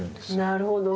なるほど。